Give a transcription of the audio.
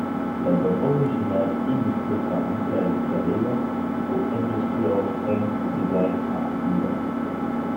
L'album original, illustré par by Michael Calleia au Industrial Strength Design à New York.